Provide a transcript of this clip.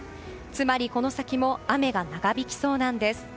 つまりこの先も雨が長引きそうなんです。